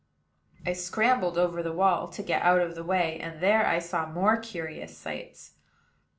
I scrambled over the wall to get out of the way, and there I saw more curious sights.